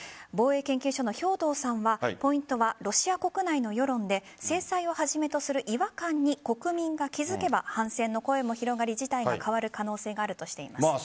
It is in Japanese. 防衛研究所の兵頭さんはポイントはロシア国内の世論で制裁をはじめとする違和感に国民が気づけば反戦の声も広がり事態が変わる可能性があるとしています。